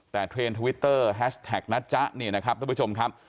แต่เทรนด์ทวิตเตอร์แฮชแท็กนะจ๊ะเนี่ยนะครับทุกผู้ชมครับ